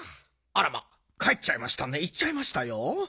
あらまかえっちゃいましたねいっちゃいましたよ。